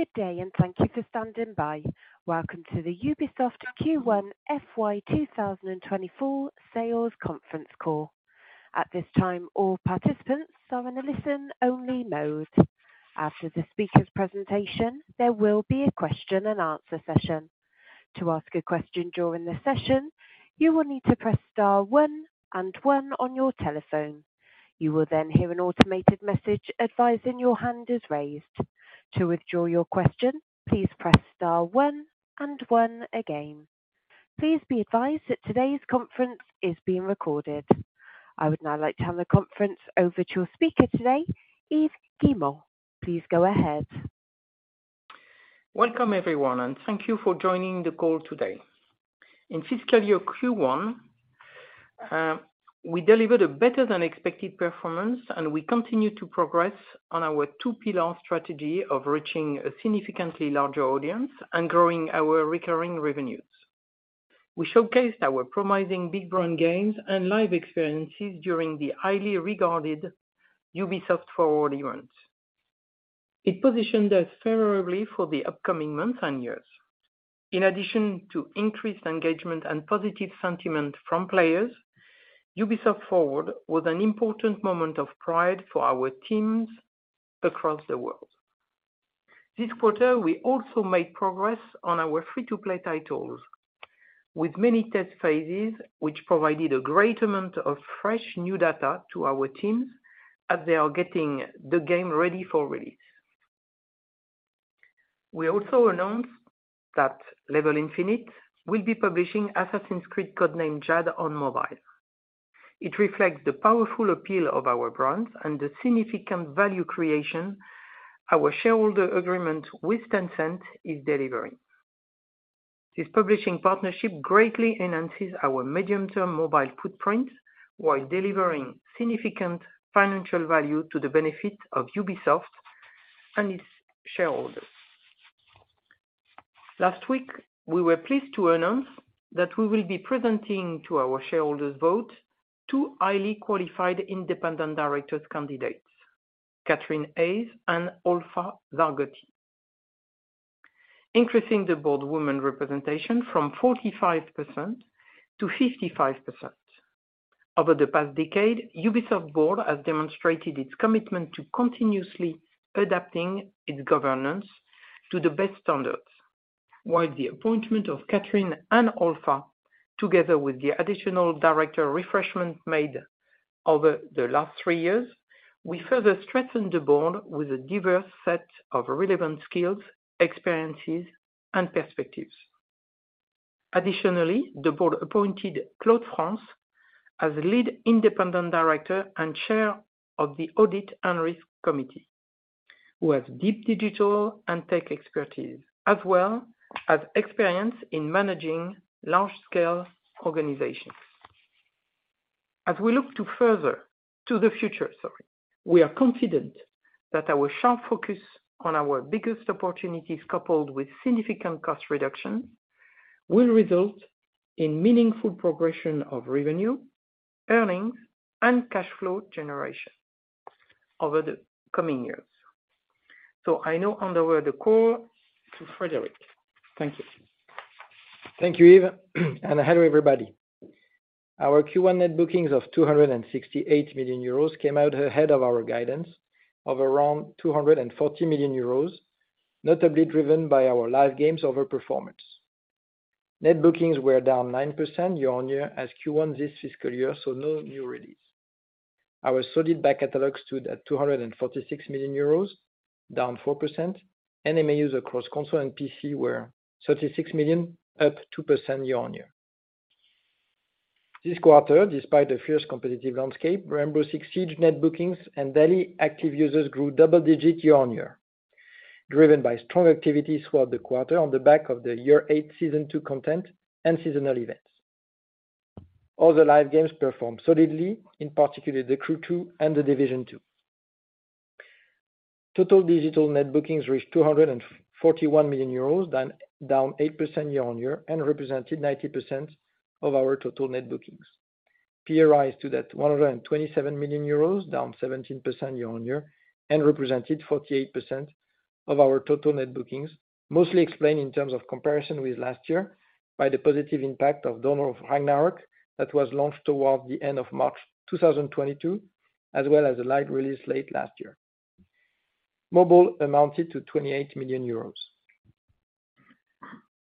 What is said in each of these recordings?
Good day, and thank you for standing by. Welcome to the Ubisoft Q1 FY 2024 sales conference call. At this time, all participants are in a listen-only mode. After the speaker's presentation, there will be a question and answer session. To ask a question during the session, you will need to press star one and one on your telephone. You will then hear an automated message advising your hand is raised. To withdraw your question, please press star one and one again. Please be advised that today's conference is being recorded. I would now like to hand the conference over to our speaker today, Yves Guillemot. Please go ahead. Welcome, everyone, and thank you for joining the call today. In fiscal year Q1, we delivered a better-than-expected performance, and we continue to progress on our two-pillar strategy of reaching a significantly larger audience and growing our recurring revenues. We showcased our promising big brand games and live experiences during the highly regarded Ubisoft Forward events. It positioned us favorably for the upcoming months and years. In addition to increased engagement and positive sentiment from players, Ubisoft Forward was an important moment of pride for our teams across the world. This quarter, we also made progress on our free-to-play titles, with many test phases, which provided a great amount of fresh, new data to our teams as they are getting the game ready for release. We also announced that Level Infinite will be publishing Assassin's Creed Codename Jade on mobile. It reflects the powerful appeal of our brands and the significant value creation our shareholder agreement with Tencent is delivering. This publishing partnership greatly enhances our medium-term mobile footprint while delivering significant financial value to the benefit of Ubisoft and its shareholders. Last week, we were pleased to announce that we will be presenting to our shareholders vote, two highly qualified independent directors candidates, Katherine Hays and Olfa Zorgati, increasing the board woman representation from 45% to 55%. Over the past decade, Ubisoft board has demonstrated its commitment to continuously adapting its governance to the best standards. While the appointment of Katherine and Olfa, together with the additional director refreshment made over the last three years, we further strengthened the board with a diverse set of relevant skills, experiences, and perspectives. Additionally, the board appointed Claude France as Lead Independent Director and Chair of the Audit & Risk Committee, who has deep digital and tech expertise, as well as experience in managing large-scale organizations. As we look to the future, sorry, we are confident that our sharp focus on our biggest opportunities, coupled with significant cost reductions, will result in meaningful progression of revenue, earnings, and cash flow generation over the coming years. I now hand over the call to Frederick. Thank you. Thank you, Yves, hello, everybody. Our Q1 net bookings of 268 million euros came out ahead of our guidance of around 240 million euros, notably driven by our live games over performance. Net bookings were down 9% year-on-year as Q1 this fiscal year, no new release. Our solid back catalog stood at 246 million euros, down 4%, MAUs across console and PC were 36 million, up 2% year-on-year. This quarter, despite a fierce competitive landscape, Rainbow Six Siege net bookings and daily active users grew double digits year-on-year, driven by strong activities throughout the quarter on the back of the year eight, season two content and seasonal events. All the live games performed solidly, in particular, The Crew two and The Division 2. Total digital net bookings reached 241 million euros, down 8% year-on-year, and represented 90% of our total net bookings. PRI stood at 127 million euros, down 17% year-on-year, and represented 48% of our total net bookings, mostly explained in terms of comparison with last year by the positive impact of Dawn of Ragnarök, that was launched towards the end of March 2022, as well as the live release late last year. Mobile amounted to 28 million euros.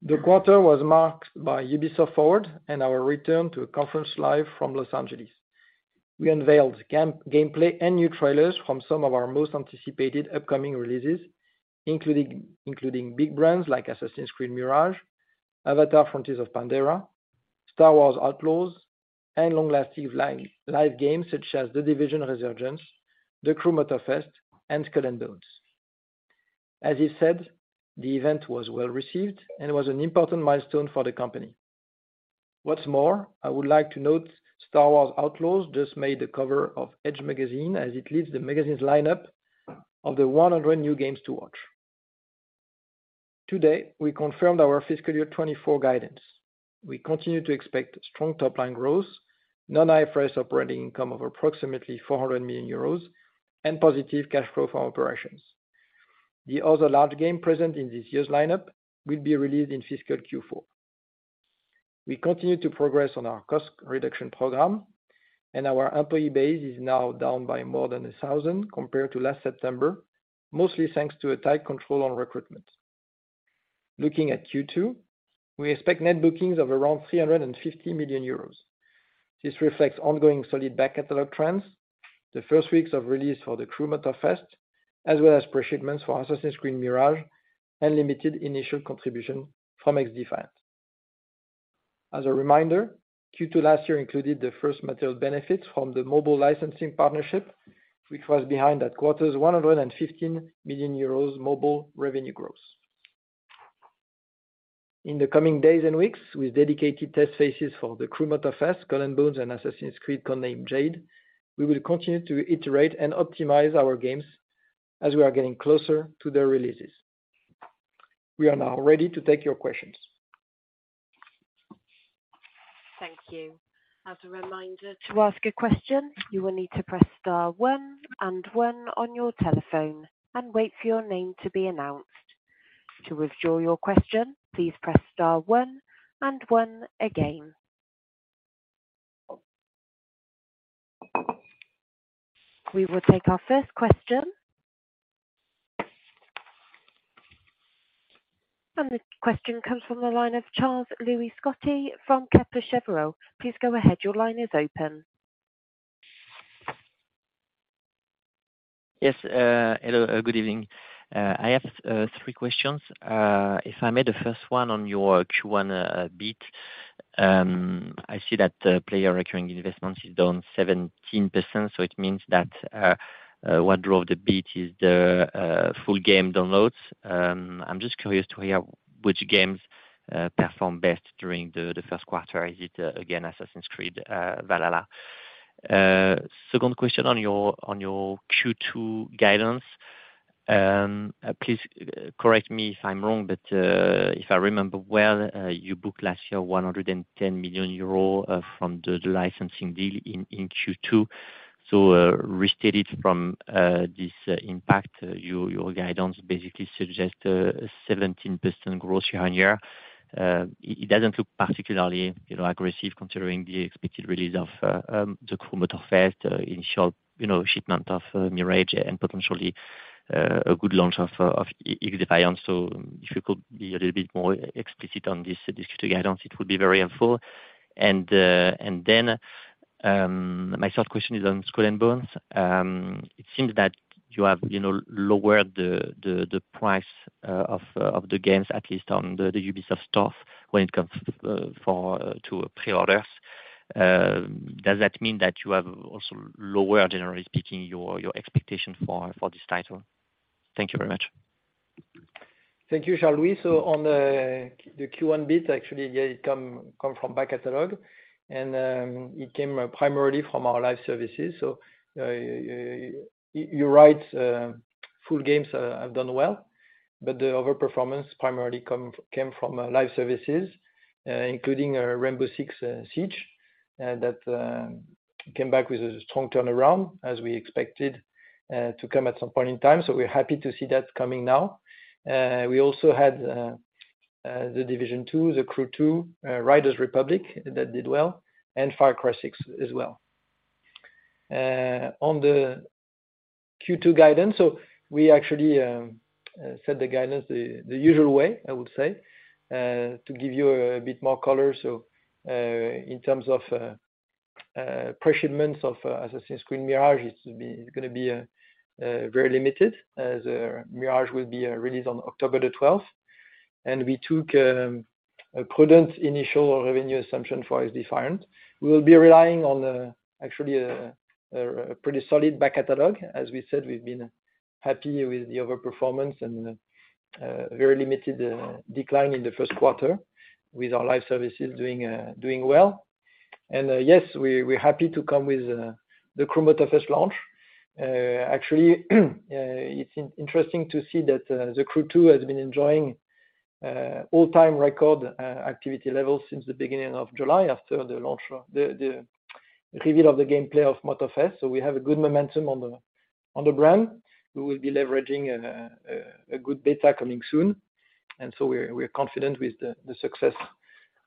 The quarter was marked by Ubisoft Forward and our return to a conference live from L.A. We unveiled gameplay and new trailers from some of our most anticipated upcoming releases, including big brands like Assassin's Creed Mirage, Avatar: Frontiers of Pandora, Star Wars Outlaws, and long-lasting live games such as The Division Resurgence, The Crew Motorfest, and Skull and Bones. As you said, the event was well-received and was an important milestone for the company. What's more, I would like to note Star Wars Outlaws just made the cover of Edge Magazine as it leads the magazine's lineup of the 100 new games to watch. Today, we confirmed our fiscal year 24 guidance. We continue to expect strong top-line growth, non-IFRS operating income of approximately 400 million euros, and positive cash flow from operations. The other large game present in this year's lineup will be released in fiscal Q4. We continue to progress on our cost reduction program. Our employee base is now down by more than 1,000 compared to last September, mostly thanks to a tight control on recruitment. Looking at Q2, we expect net bookings of around 350 million euros. This reflects ongoing solid back catalog trends, the first weeks of release for The Crew Motorfest, as well as pre-shipments for Assassin's Creed Mirage, and limited initial contribution from XDefiant. As a reminder, Q2 last year included the first material benefits from the mobile licensing partnership, which was behind that quarter's 115 million euros mobile revenue growth. In the coming days and weeks, with dedicated test phases for The Crew Motorfest, Skull and Bones, and Assassin's Creed Codename Jade, we will continue to iterate and optimize our games as we are getting closer to their releases. We are now ready to take your questions. Thank you. As a reminder, to ask a question, you will need to press star one and one on your telephone and wait for your name to be announced. To withdraw your question, please press star one and one again. We will take our first question. This question comes from the line of Charles-Louis Scotti from Kepler Cheuvreux. Please go ahead. Your line is open. Yes, hello. Good evening. I have three questions. If I made the first one on your Q1 beat, I see that Player Recurring Investment is down 17%, it means that what drove the beat is the full game downloads. I'm just curious to hear which games perform best during the first quarter. Is it again, Assassin's Creed Valhalla? Second question on your Q2 guidance. Please correct me if I'm wrong, if I remember well, you booked last year 110 million euro from the licensing deal in Q2. Restated from this impact, your guidance basically suggest 17% growth year-on-year. It doesn't look particularly, you know, aggressive considering the expected release of The Crew Motorfest, initial, you know, shipment of Mirage and potentially a good launch of XDefiant. If you could be a little bit more explicit on this guidance, it would be very helpful. Then my third question is on Skull and Bones. It seems that you have, you know, lowered the price of the games, at least on the Ubisoft Store when it comes for to pre-orders. Does that mean that you have also lowered, generally speaking, your expectation for this title? Thank you very much. Thank you, Charles-Louis. On the Q1 bit, actually, yeah, it came from back catalog, and it came primarily from our live services. You're right, full games have done well, but the overperformance primarily came from live services, including Rainbow Six Siege, that came back with a strong turnaround as we expected to come at some point in time. We're happy to see that coming now. We also had The Division 2, The Crew 2, Riders Republic, that did well, and Far Cry 6 as well. On the Q2 guidance, we actually set the guidance the usual way, I would say, to give you a bit more color. In terms of pre-shipments of Assassin's Creed Mirage, it's gonna be very limited, as Mirage will be released on October 12th. We took a prudent initial revenue assumption for XDefiant. We will be relying on actually a pretty solid back catalog. As we said, we've been happy with the overperformance and very limited decline in the 1st quarter with our live services doing well. Yes, we're happy to come with The Crew Motorfest launch. Actually, it's interesting to see that The Crew 2 has been enjoying all-time record activity levels since the beginning of July after the launch of the reveal of the gameplay of Motorfest. We have a good momentum on the brand. We will be leveraging a good beta coming soon, and so we're confident with the success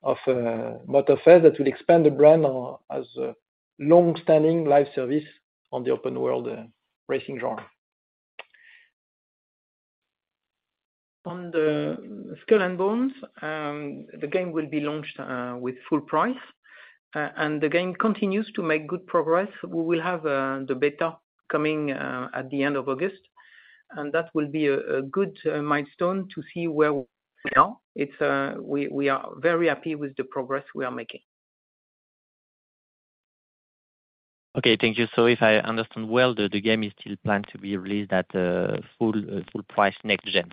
of Motorfest. That will expand the brand on, as a long-standing live service on the open world racing genre. On the Skull and Bones, the game will be launched with full price, and the game continues to make good progress. We will have the beta coming at the end of August, and that will be a good milestone to see where we are. It's, we are very happy with the progress we are making. Okay, thank you. If I understand well, the game is still planned to be released at full price next gen?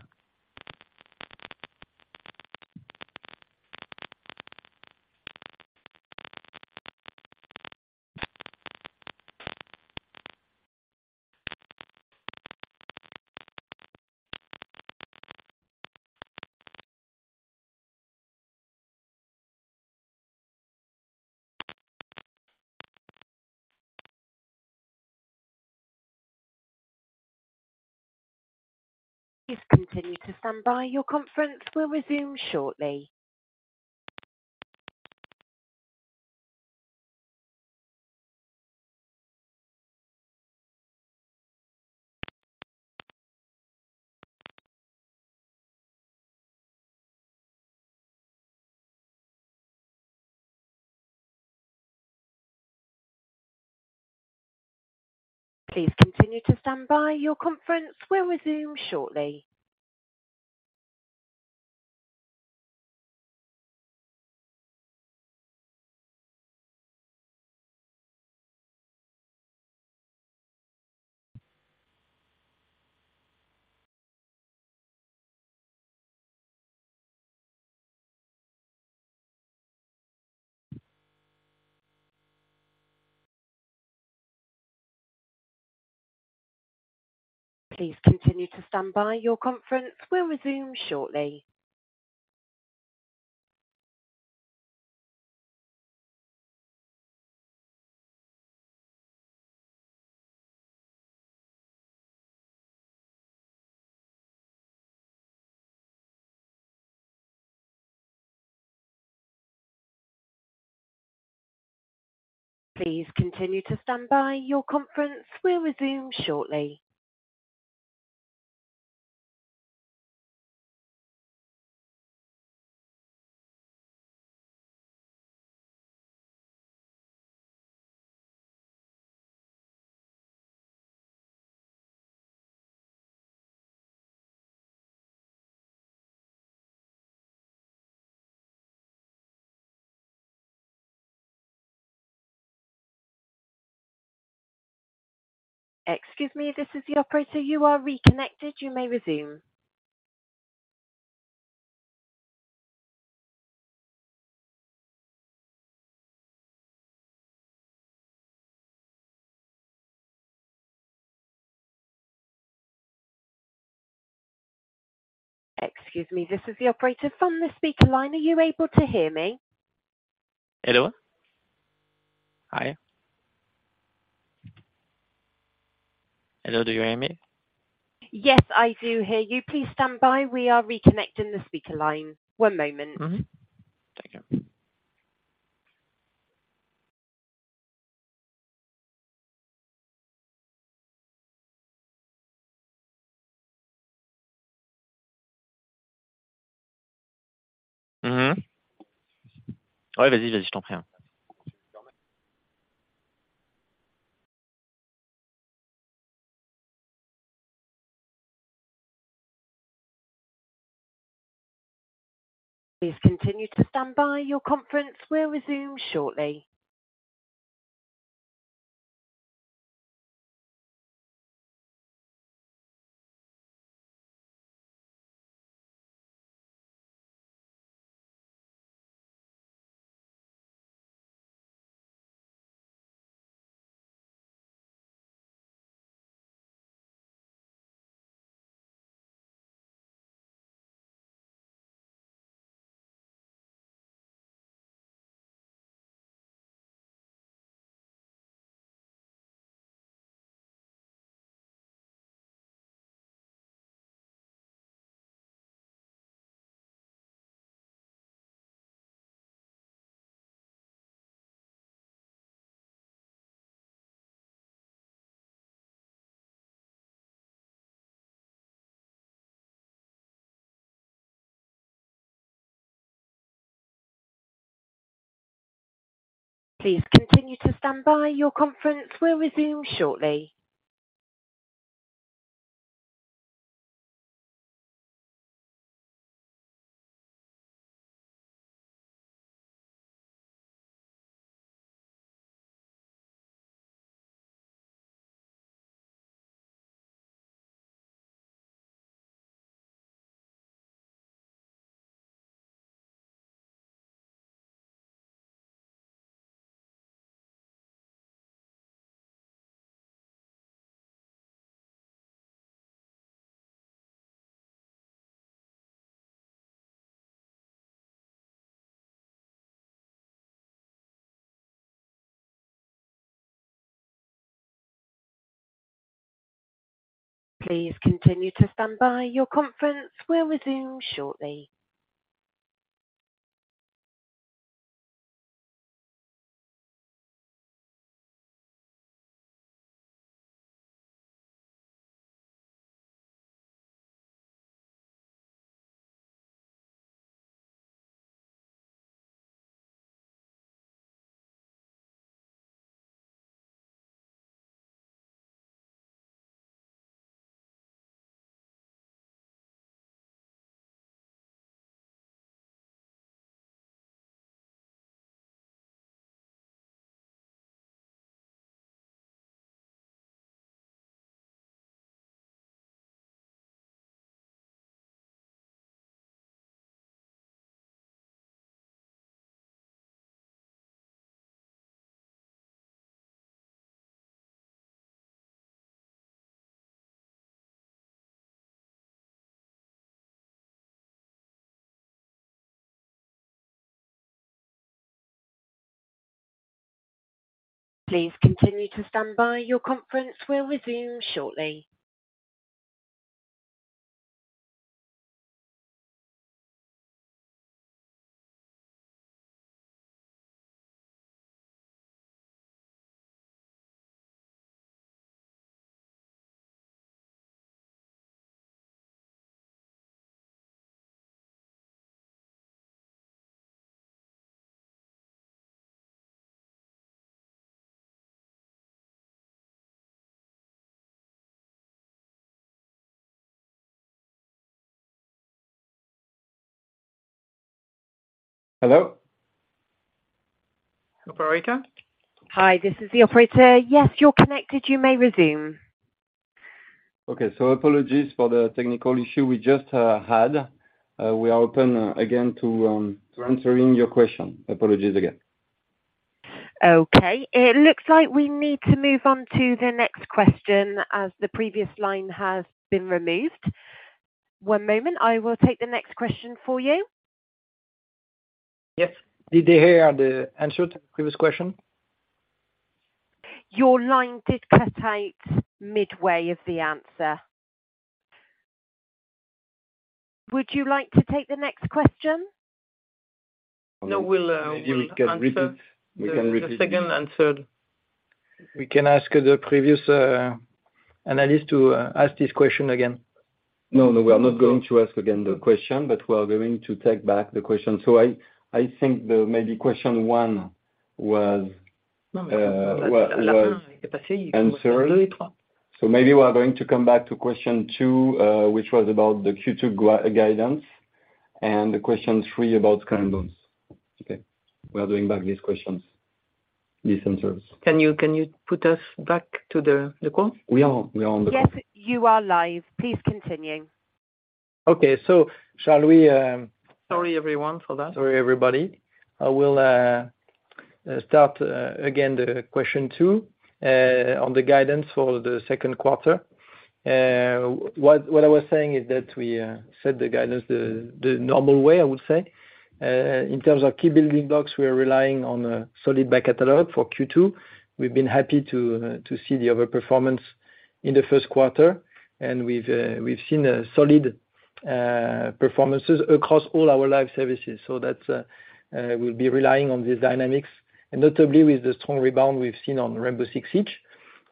Please continue to stand by. Your conference will resume shortly. Excuse me, this is the operator. You are reconnected. You may resume. Excuse me, this is the operator from the speaker line. Are you able to hear me? Hello? Hi. Hello, do you hear me? Yes, I do hear you. Please stand by. We are reconnecting the speaker line. one moment. Mm-hmm. Thank you. Mm-hmm. Please continue to stand by. Your conference will resume shortly. Hello? Operator? Hi, this is the operator. Yes, you're connected. You may resume. Okay. Apologies for the technical issue we just had. We are open again, to answering your question. Apologies again. Okay, it looks like we need to move on to the next question as the previous line has been removed. One moment, I will take the next question for you. Yes. Did they hear the answer to the previous question? Your line did cut out midway of the answer. Would you like to take the next question? No, we'll. Maybe we can repeat. The second and third. We can ask the previous analyst to ask this question again. No, no, we are not going to ask again the question, but we are going to take back the question. I think the maybe question one was answered. Maybe we are going to come back to question two, which was about the Q2 guidance, and question three about Skull and Bones. Okay. We are doing back these questions, these answers. Can you put us back to the call? We are on the call. Yes, you are live. Please continue. Okay. shall we... Sorry, everyone for that. Sorry, everybody. I will start again, the question two on the guidance for the second quarter. What I was saying is that we set the guidance the normal way, I would say. In terms of key building blocks, we are relying on a solid back catalog for Q2. We've been happy to see the other performance in the first quarter, and we've seen solid performances across all our live services. That will be relying on these dynamics, and notably with the strong rebound we've seen on Rainbow Six Siege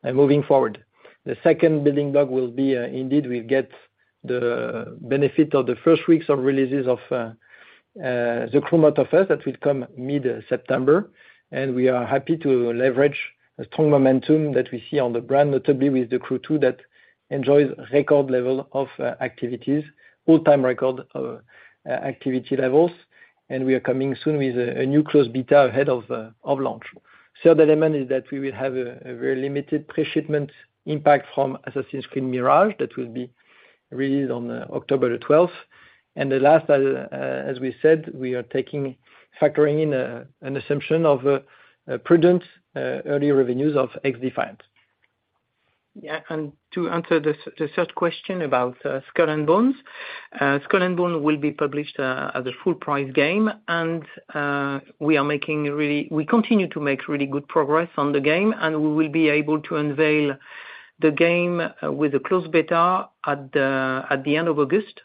and moving forward. The second building block will be indeed, we'll get the benefit of the first weeks of releases of The Crew Motorfest. That will come mid-September. We are happy to leverage a strong momentum that we see on the brand, notably with The Crew 2, that enjoys record level of activities, all-time record activity levels. We are coming soon with a new close beta ahead of launch. The demand is that we will have a very limited pre-shipment impact from Assassin's Creed Mirage. That will be released on October the twelfth. The last, as we said, we are factoring in an assumption of prudent early revenues of XDefiant. Yeah, to answer the third question about Skull and Bones. Skull and Bones will be published as a full price game, we continue to make really good progress on the game, we will be able to unveil the game with a close beta at the end of August.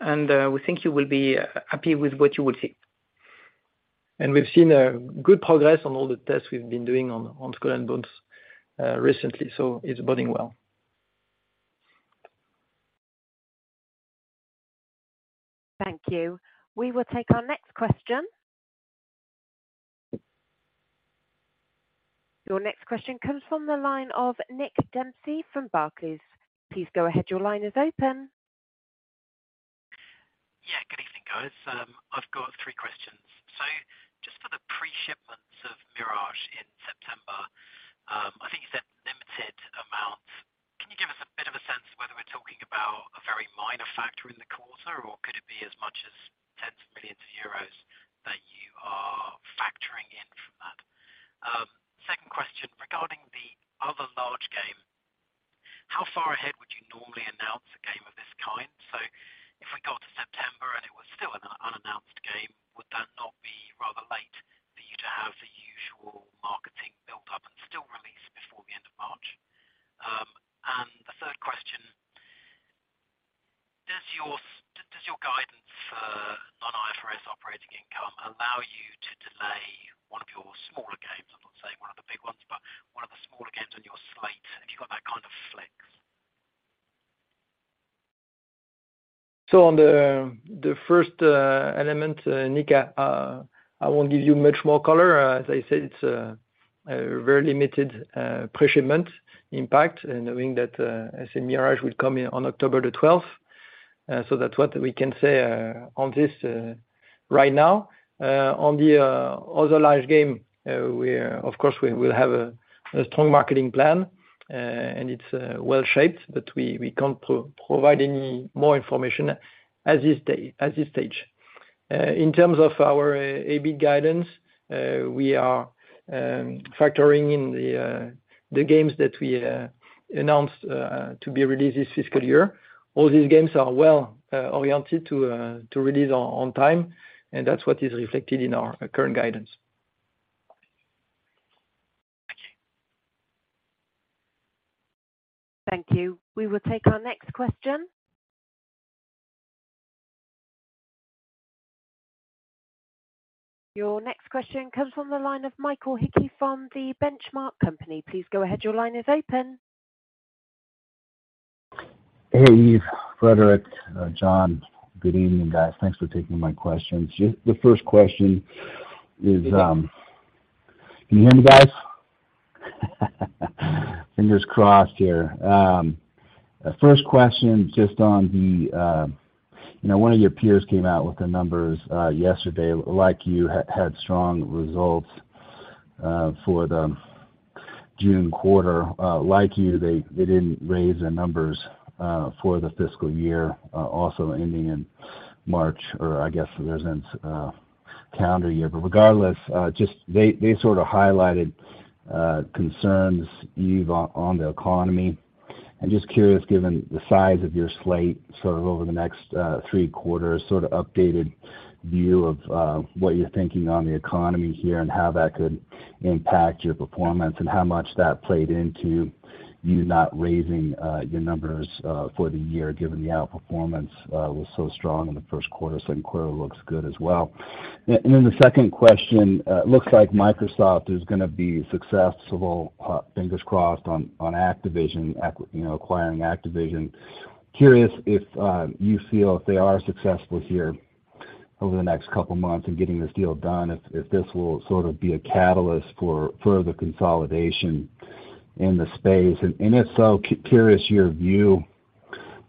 We think you will be happy with what you will see. We've seen a good progress on all the tests we've been doing on Skull and Bones recently, so it's budding well. Thank you. We will take our next question. Your next question comes from the line of Nick Dempsey from Barclays. Please go ahead. Your line is open. Yeah, good evening, guys. I've got three questions. Just for the pre-shipments of Assassin's Creed Mirage in September, I think you said limited amount. Can you give us a bit of a sense of whether we're talking about a very minor factor in the quarter, or could it be as much as tens of millions of EUR that you are factoring in from that? Second question, regarding the other large game, how far ahead would you normally announce a game of this kind? If we got to September and it was still an unannounced game, would that not be rather late for you to have the usual marketing buildup and still release before the end of March? The third question, does your guidance for non-IFRS operating income allow you to delay one of your smaller games? I'm not saying one of the big ones, but one of the smaller games on your slate. Have you got that kind of flex? On the first element, Nick, I won't give you much more color. As I said, it's a very limited pre-shipment impact, and knowing that Assassin's Creed Mirage will come in on October 12th. That's what we can say on this right now. On the other large game, we will have a strong marketing plan, and it's well-shaped, but we can't provide any more information at this stage. In terms of our AB guidance, we are factoring in the games that we announced to be released this fiscal year. All these games are well oriented to release on time, and that's what is reflected in our current guidance. Thank you. We will take our next question. Your next question comes from the line of Mike Hickey from The Benchmark Company. Please go ahead, your line is open. Hey, Yves, Frederic, John, good evening, guys. Thanks for taking my questions. Just the first question is, can you hear me, guys? Fingers crossed here. First question, just on the, you know, one of your peers came out with the numbers yesterday, like you, had strong results for the June quarter. Like you, they didn't raise their numbers for the fiscal year, also ending in March, or I guess it wasn't calendar year. Regardless, just they sort of highlighted concerns, Yves, on the economy. I'm just curious, given the size of your slate, sort of over the next three quarters, sort of updated view of what you're thinking on the economy here and how that could impact your performance, and how much that played into you not raising your numbers for the year, given the outperformance was so strong in the first quarter, second quarter looks good as well. The second question, looks like Microsoft is gonna be successful, fingers crossed, on Activision, you know, acquiring Activision. Curious if you feel if they are successful here over the next couple months in getting this deal done, if this will sort of be a catalyst for further consolidation in the space? If so, curious your view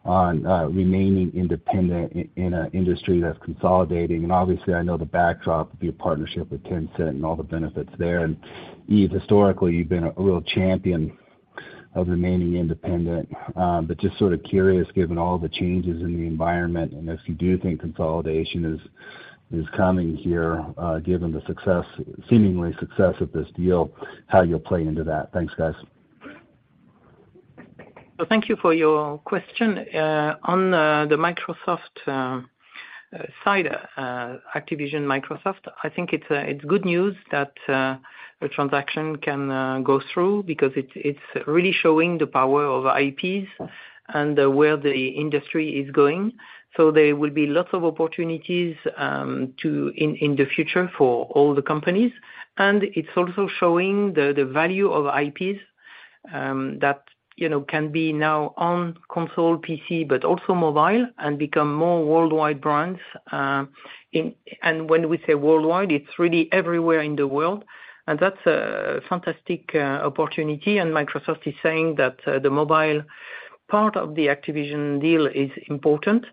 on remaining independent in a industry that's consolidating, I know the backdrop of your partnership with Tencent and all the benefits there. Yves, historically, you've been a real champion of remaining independent. Just sort of curious, given all the changes in the environment, if you do think consolidation is coming here, given the success, seemingly success of this deal, how you'll play into that? Thanks, guys. Well, thank you for your question. On the Microsoft side, Activision, Microsoft, I think it's good news that the transaction can go through, because it's really showing the power of IPs and where the industry is going. There will be lots of opportunities to in the future for all the companies. It's also showing the value of IPs that, you know, can be now on console PC, but also mobile, and become more worldwide brands. When we say worldwide, it's really everywhere in the world, and that's a fantastic opportunity. Microsoft is saying that the mobile part of the Activision deal is important,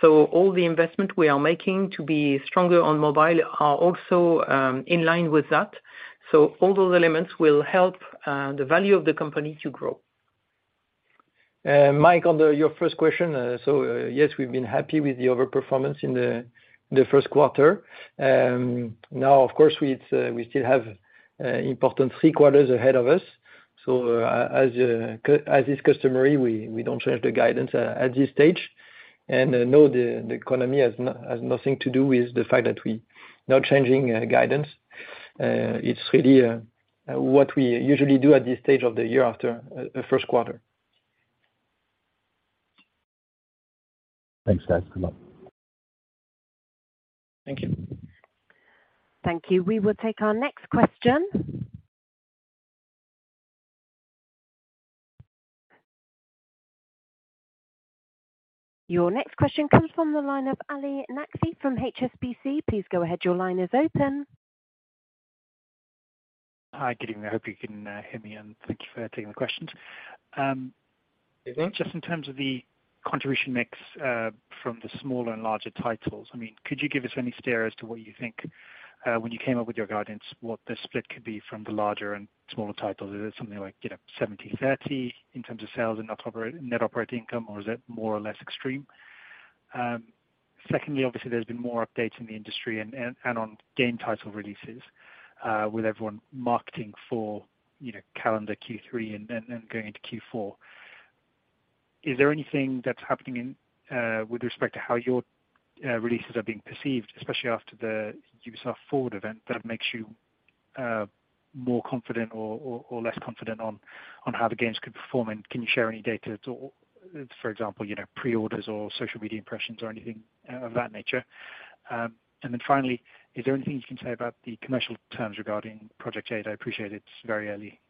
so all the investment we are making to be stronger on mobile are also in line with that. All those elements will help the value of the company to grow. Mike, on your first question, yes, we've been happy with the overperformance in the first quarter. Of course, we'd, we still have important 3 quarters ahead of us, so, as is customary, we don't change the guidance at this stage. No, the economy has nothing to do with the fact that we're not changing guidance. It's really what we usually do at this stage of the year after a first quarter. Thanks, guys. Good luck. Thank you. Thank you. We will take our next question. Your next question comes from the line of Ali Naqvi from HSBC. Please go ahead, your line is open. Hi, good evening, I hope you can hear me, and thank you for taking the questions. Mm-hmm. Just in terms of the contribution mix, from the smaller and larger titles, I mean, could you give us any steer as to what you think, when you came up with your guidance, what the split could be from the larger and smaller titles? Is it something like, you know, 70/30 in terms of sales and net operating income, or is it more or less extreme? Secondly, obviously there's been more updates in the industry and on game title releases, with everyone marketing for, you know, calendar Q3, and then going into Q4. Is there anything that's happening in with respect to how your releases are being perceived, especially after the Ubisoft Forward event, that makes you more confident or less confident on how the games could perform? Can you share any data at all, for example, you know, pre-orders or social media impressions or anything of that nature? Finally, is there anything you can say about the commercial terms regarding Project Jade? I appreciate it's very early.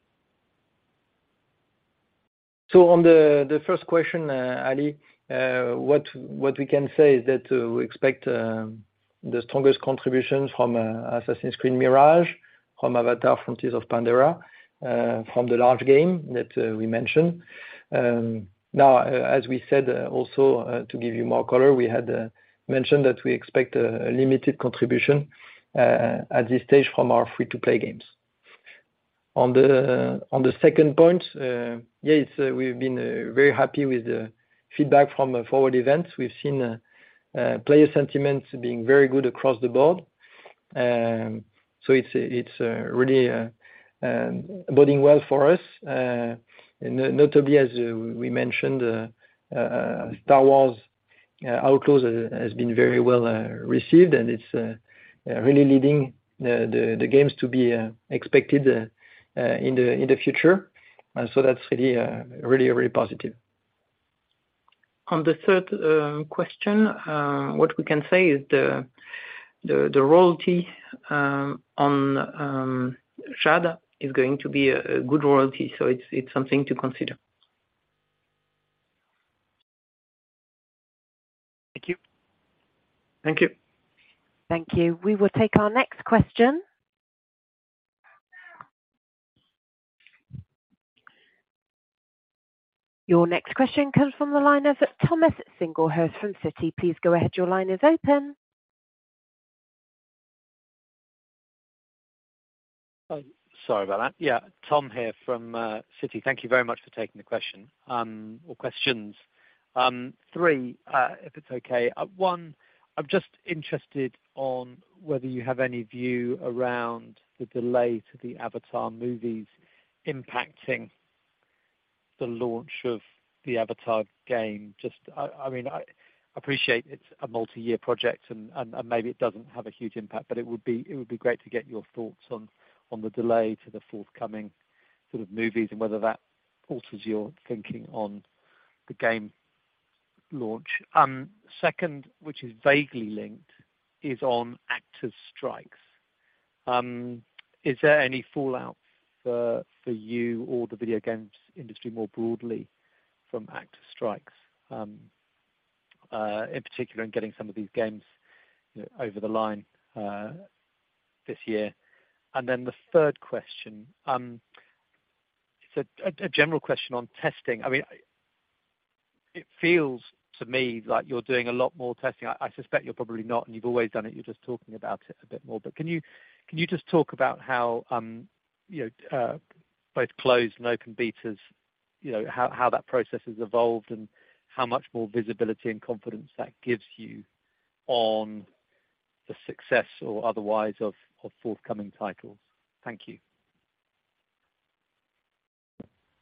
On the first question, Ali, what we can say is that we expect the strongest contributions from Assassin's Creed Mirage, from Avatar: Frontiers of Pandora, from the large game that we mentioned. Now, as we said, also, to give you more color, we had mentioned that we expect limited contribution at this stage from our free-to-play games. On the second point, yes, we've been very happy with the feedback from the Ubisoft Forward events. We've seen player sentiments being very good across the board. It's really boding well for us. Notably, as we mentioned, Star Wars Outlaws has been very well received, it's really leading the games to be expected in the future. That's really, really positive. On the third question, what we can say is the royalty on Jade is going to be a good royalty, so it's something to consider. Thank you. Thank you. Thank you. We will take our next question. Your next question comes from the line of Thomas Singlehurst from Citi. Please go ahead. Your line is open. Sorry about that. Yeah, Tom here from Citi. Thank you very much for taking the question or questions. Three, if it's okay. One, I'm just interested on whether you have any view around the delay to the Avatar movies impacting the launch of the Avatar game. Just, I mean, I appreciate it's a multi-year project and maybe it doesn't have a huge impact, but it would be great to get your thoughts on the delay to the forthcoming sort of movies, and whether that alters your thinking on the game launch. Second, which is vaguely linked, is on actors' strikes. Is there any fallout for you or the video games industry more broadly from actors' strikes, in particular in getting some of these games over the line this year? Then the third question, it's a general question on testing. I mean, it feels to me like you're doing a lot more testing. I suspect you're probably not, and you've always done it, you're just talking about it a bit more. Can you just talk about how, you know, both closed and open betas, you know, how that process has evolved and how much more visibility and confidence that gives you on the success or otherwise of forthcoming titles? Thank you.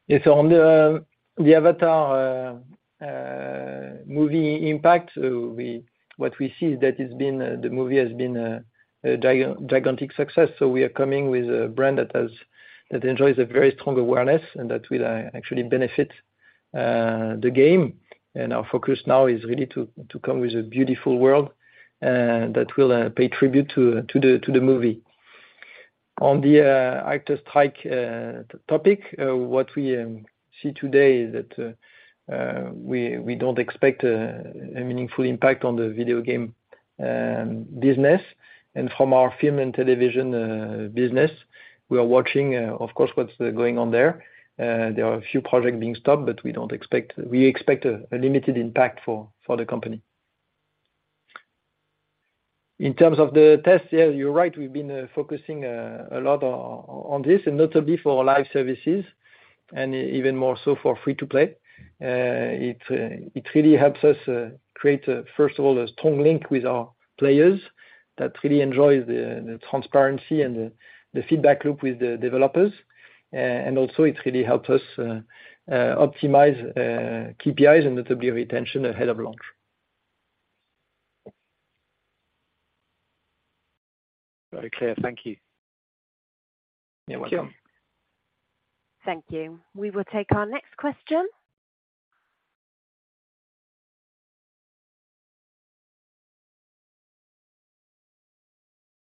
Yes, on the Avatar movie impact, what we see is that it's been, the movie has been a gigantic success, we are coming with a brand that enjoys a very strong awareness and that will actually benefit the game. Our focus now is really to come with a beautiful world that will pay tribute to the movie. On the actors' strike topic, what we see today is that we don't expect a meaningful impact on the video game business. From our film and television business, we are watching, of course, what's going on there. There are a few projects being stopped, but we expect a limited impact for the company. In terms of the test, yeah, you're right. We've been focusing a lot on this, and notably for our live services and even more so for free-to-play. It really helps us create first of all, a strong link with our players that really enjoy the transparency and the feedback loop with the developers. Also it really helps us optimize KPIs and notably retention ahead of launch. Very clear. Thank you. You're welcome. Thank you. We will take our next question.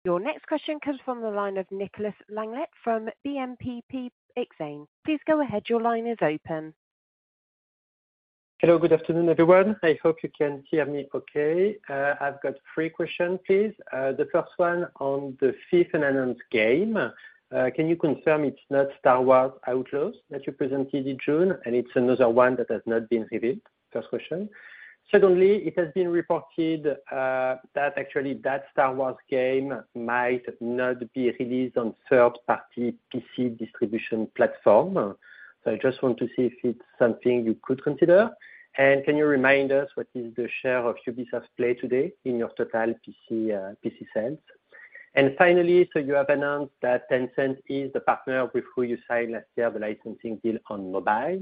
Your next question comes from the line of Nicolas Langlet from BNP Paribas Exane. Please go ahead. Your line is open. Hello, good afternoon, everyone. I hope you can hear me okay. I've got three questions, please. The first one on the fifth announced game. Can you confirm it's not Star Wars Outlaws that you presented in June, and it's another one that has not been revealed? First question. Secondly, it has been reported that actually that Star Wars game might not be released on third-party PC distribution platform. I just want to see if it's something you could consider. Can you remind us what is the share of Ubisoft Play today in your total PC sales? Finally, you have announced that Tencent is the partner with who you signed last year, the licensing deal on mobile.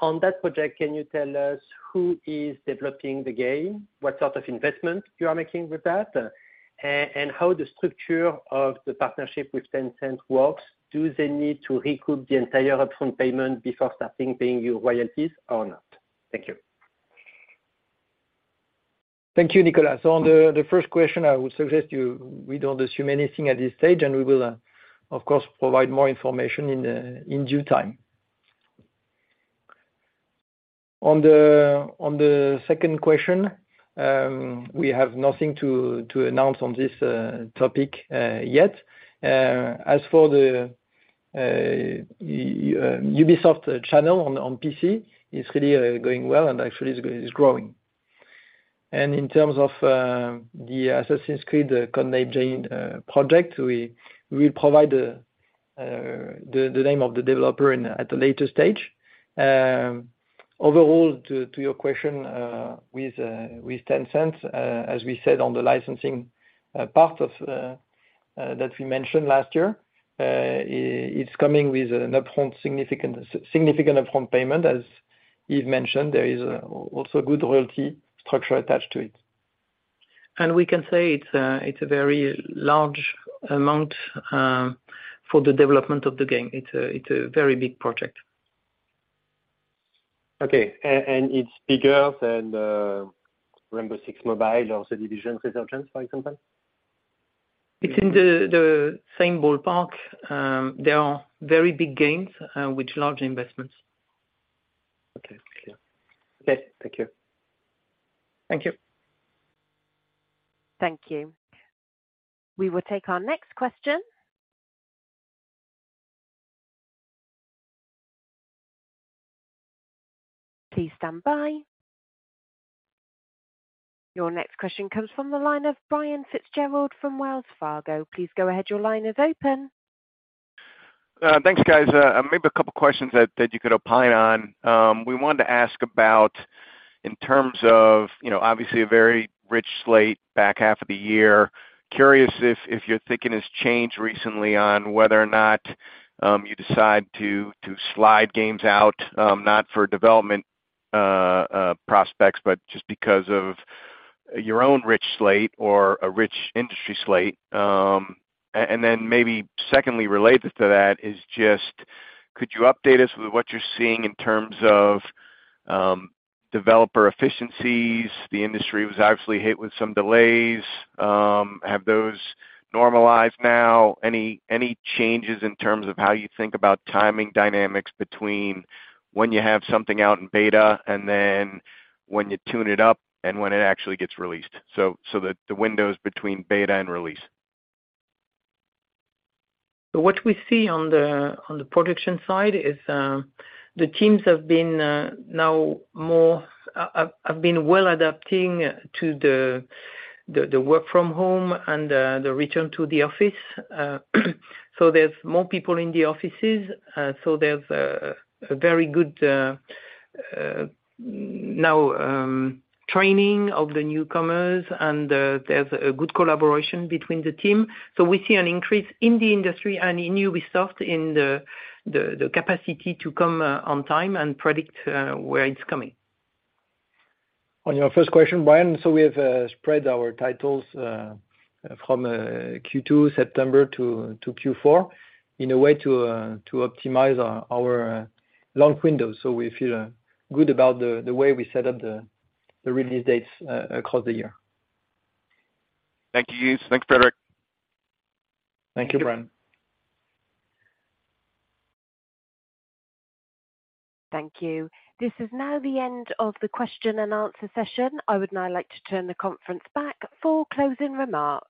On that project, can you tell us who is developing the game? What sort of investment you are making with that, and how the structure of the partnership with Tencent works? Do they need to recoup the entire upfront payment before starting paying you royalties or not? Thank you. Thank you, Nicolas. On the first question, I would suggest you, we don't assume anything at this stage, and we will, of course, provide more information in due time. On the second question, we have nothing to announce on this topic yet. As for the Ubisoft channel on PC, it's really going well and actually is growing. In terms of the Assassin's Creed Codename Jade project, we will provide the name of the developer at a later stage. Overall, to your question, with Tencent, as we said on the licensing part of that we mentioned last year, it's coming with an upfront significant upfront payment. As Yves mentioned, there is also good royalty structure attached to it. We can say it's a very large amount, for the development of the game. It's a very big project. Okay. And it's bigger than Rainbow Six Mobile or The Division Resurgence, for example? It's in the same ballpark. They are very big games, with large investments. Okay. Clear. Okay. Thank you. Thank you. Thank you. We will take our next question. Please stand by. Your next question comes from the line of Brian Fitzgerald from Wells Fargo. Please go ahead. Your line is open. Thanks, guys. Maybe two questions that you could opine on. We wanted to ask about in terms of, you know, obviously a very rich slate back half of the year, curious if your thinking has changed recently on whether or not you decide to slide games out, not for development prospects, but just because of your own rich slate or a rich industry slate? Maybe secondly, related to that, is just could you update us with what you're seeing in terms of developer efficiencies? The industry was obviously hit with some delays. Have those normalized now? Any changes in terms of how you think about timing dynamics between when you have something out in beta, and then when you tune it up, and when it actually gets released? The windows between beta and release. What we see on the production side is the teams have been now more well adapting to the work from home and the return to the office. There's more people in the offices. There's a very good now training of the newcomers, and there's a good collaboration between the team. We see an increase in the industry and in Ubisoft in the capacity to come on time and predict where it's coming. On your first question, Brian, we have spread our titles from Q2, September, to Q4, in a way to optimize our launch window. We feel good about the way we set up the release dates across the year. Thank you, Yves. Thanks, Frederick. Thank you, Brian. Thank you. This is now the end of the question and answer session. I would now like to turn the conference back for closing remarks.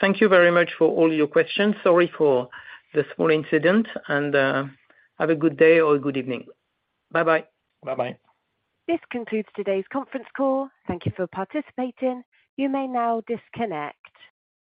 Thank you very much for all your questions. Sorry for the small incident, and, have a good day or a good evening. Bye-bye. Bye-bye. This concludes today's conference call. Thank you for participating. You may now disconnect.